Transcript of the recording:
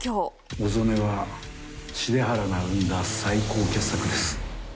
小曾根は幣原が生んだ最高傑作です。